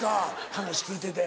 話聞いてて。